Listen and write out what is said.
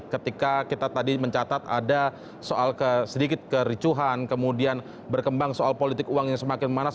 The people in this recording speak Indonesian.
ketika kita tadi mencatat ada soal sedikit kericuhan kemudian berkembang soal politik uang yang semakin memanas